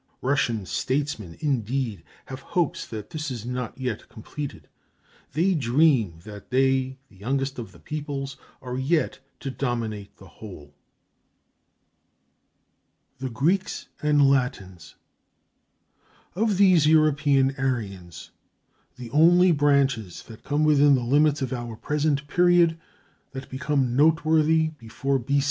Russian statesmen, indeed, have hopes that this is not yet completed. They dream that they, the youngest of the peoples, are yet to dominate the whole. THE GREEKS AND LATINS Of these European Aryans the only branches that come within the limits of our present period, that become noteworthy before B.